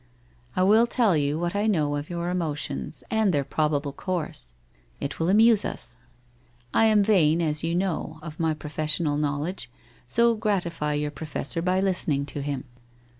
I will tell you what I know of your emotions, and their probable course. It will amuse us. I am vain, as you know, of my professional ■'.ledge, so gratify your professor by listening to him.